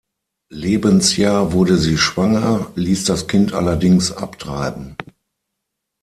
Lebensjahr wurde sie schwanger, ließ das Kind allerdings abtreiben.